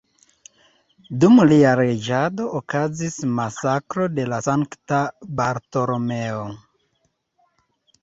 Dum lia reĝado okazis masakro de la Sankta Bartolomeo.